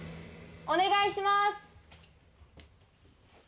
お願いします。